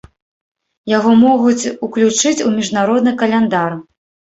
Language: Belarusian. Яго могуць уключыць у міжнародны каляндар.